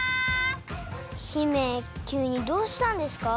姫きゅうにどうしたんですか？